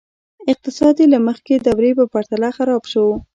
اقتصاد یې له مخکې دورې په پرتله خراب شو.